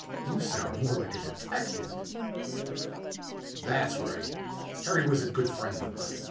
You sound more like a detective." "That's right. Harry was a good friend of mine.